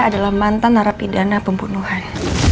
adalah mantan narapidana pembunuhan